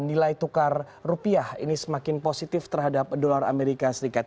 dan juga membuat nilai tukar rupiah ini semakin positif terhadap dolar amerika serikat